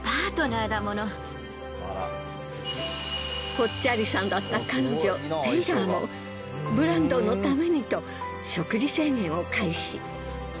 ぽっちゃりさんだった彼女テイラーもブランドンのためにと食事制限を開始。